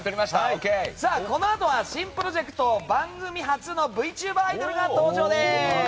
このあとは、新プロジェクト番組発のＶＴｕｂｅｒアイドルが登場です！